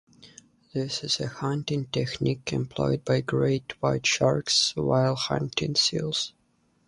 This is a hunting technique employed by great white sharks whilst hunting seals.